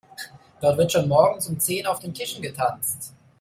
Dort wird schon morgens um zehn auf den Tischen getanzt.